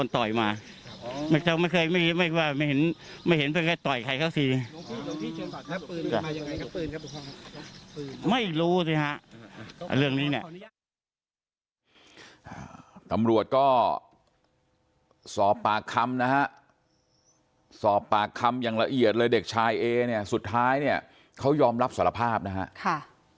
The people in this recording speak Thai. ตำรวจก็สอบปากคำนะฮะสอบปากคำอย่างละเอียดเลยเด็กชายเอเนี่ยสุดท้ายเนี่ยเขายอมรับสารภาพนะฮะ